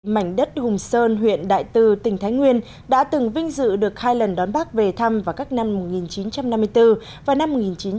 mảnh đất hùng sơn huyện đại từ tỉnh thái nguyên đã từng vinh dự được hai lần đón bác về thăm vào các năm một nghìn chín trăm năm mươi bốn và năm một nghìn chín trăm bảy mươi